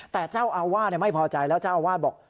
แต่เจ้าอาวาสไม่พอใจแล้วเจ้าอาวาสบอก